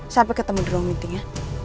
sampai ketemu di ruang meeting ya